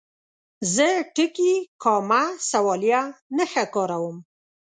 زه ټکي، کامه، سوالیه نښه کاروم.